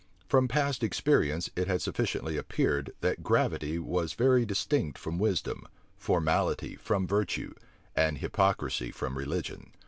From past experience it had sufficiently appeared, that gravity was very distinct from wisdom, formality from virtue, and hypocrisy from religion.